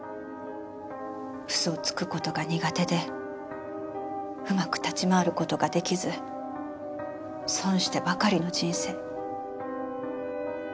嘘をつく事が苦手でうまく立ち回る事が出来ず損してばかりの人生。